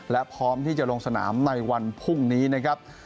และพร้อมที่จะลงสนามในวันพรุ่งนี้นะครับ